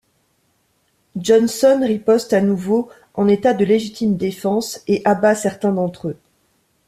Johnson riposte à nouveau en état de légitime défense et abat certains d'entre eux.